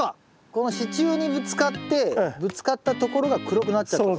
この支柱にぶつかってぶつかったところが黒くなっちゃった。